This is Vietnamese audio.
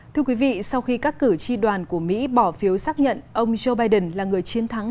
thưa quý vị sau khi các cử tri đoàn của mỹ bỏ phiếu xác nhận ông joe biden là người chiến thắng